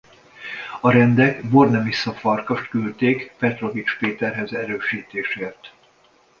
A rendek Bornemisza Farkast küldték Petrovics Péterhez erősítésért.